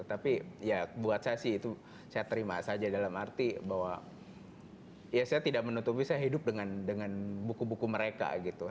tapi ya buat saya sih itu saya terima saja dalam arti bahwa ya saya tidak menutupi saya hidup dengan buku buku mereka gitu